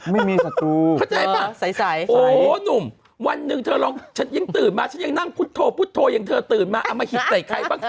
ไม่มี